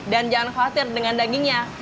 dan jangan khawatir dengan dagingnya